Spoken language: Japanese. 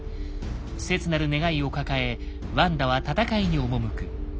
切なる願いを抱えワンダは戦いに赴く。